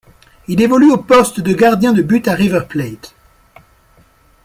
Il évolue au poste de gardien de but à River Plate.